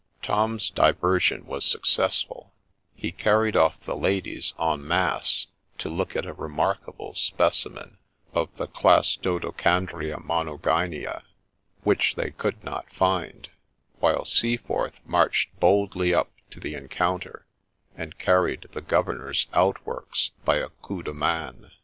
Tom's diversion was successful ; he carried off the ladies en masse to look at a remarkable specimen of the class Dodecandria Monogynia, — which they could not find ;— while Seaforth marched boldly up to the encounter, and carried ' the governor's ' outworks by a coup de main.